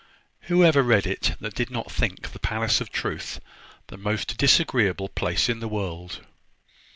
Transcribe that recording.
Who ever read it, that did not think the Palace of Truth the most disagreeable place in the world?"